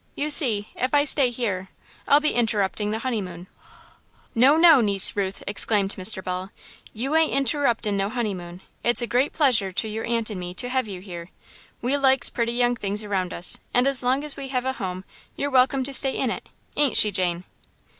You see, if I stay here, I'll be interrupting the honeymoon." "No, no, Niece Ruth!" exclaimed Mr. Ball, "you ain't interruptin' no honeymoon. It's a great pleasure to your aunt and me to hev you here we likes pretty young things around us, and as long as we hev a home, you're welcome to stay in it; ain't she Jane?"